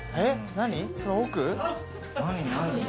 何？